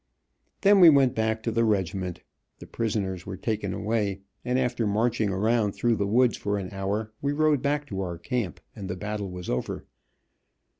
Then we went back to the regiment, the prisoners were taken away, and after marching around through the woods for an hour we rode back to our camp, and the battle was over.